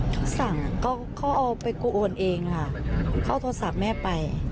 เขาสั่งเขาเอาไปกูโอนเองค่ะเขาเอาโทรศัพท์แม่ไป